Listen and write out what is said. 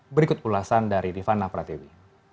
berikut ulasan dari rifat napratiwi